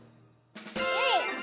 ゆい！